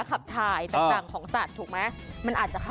กลิ่นวาล้านั่นเอง